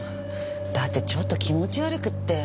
だってちょっと気持ち悪くって。